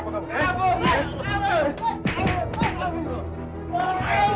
untung lagi kamu tarikan topping perempuan yang pas kiat